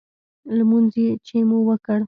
لمونځ چې مو وکړ.